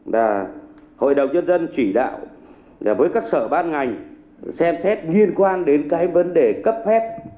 là hội đồng nhân dân chỉ đạo với các sở ban ngành xem xét liên quan đến cái vấn đề cấp phép